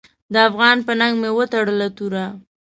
د افغان په ننګ مې وتړله توره .